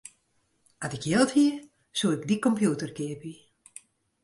As ik jild hie, soe ik dy kompjûter keapje.